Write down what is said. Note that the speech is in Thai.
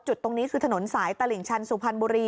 จุดตรงนี้คือถนนสายตลิ่งชันสุพรรณบุรี